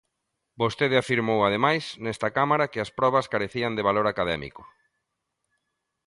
Vostede afirmou, ademais, nesta Cámara que as probas carecían de valor académico.